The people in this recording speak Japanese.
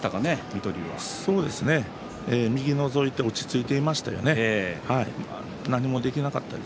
右をのぞいて落ち着いていましたね。